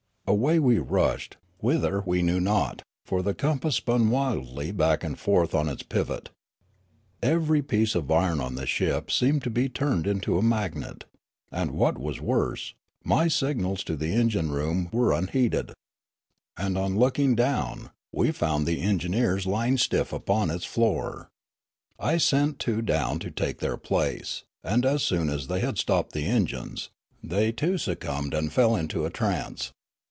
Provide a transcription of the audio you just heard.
Away we rushed, whither we knew not, for the compass spun wildly back and forward on its pivot. Every piece of iron on the ship seemed to be turned into a magnet. And what was worse, my signals to the engine room were unheeded ; and on looking down, we found the engineers lying stiff upon its floor. I Riallaro 17 sent two down to take their place ; and as soon as they had stopped the engines, the}' too succumbed and fell into a trance.